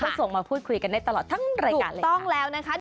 ก็ส่งมาพูดคุยกันได้ตลอดทั้งรายการเลย